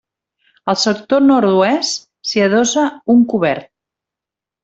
Al sector Nord-oest s'hi adossa un cobert.